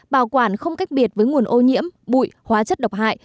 bảo quản không cách biệt với nguồn ô nhiễm bụi hóa chất độc hại